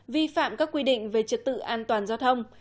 vi phạm các quy định về trật tự an toàn giao thông